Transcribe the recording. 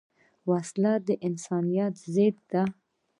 وسله د انسانیت ضد ده